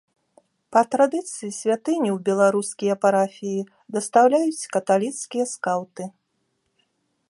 Па традыцыі святыню ў беларускія парафіі дастаўляюць каталіцкія скаўты.